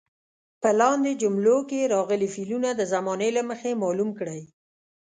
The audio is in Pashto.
په لاندې جملو کې راغلي فعلونه د زمانې له مخې معلوم کړئ.